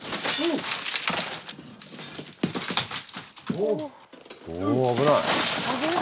おお危ない。